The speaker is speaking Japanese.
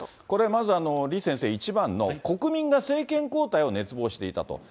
これ、まず、李先生、１番の、国民が政権交代を熱望していたと。